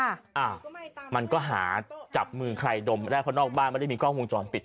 อ้าวมันก็หาจับมือใครดมไม่ได้เพราะนอกบ้านไม่ได้มีกล้องวงจรปิด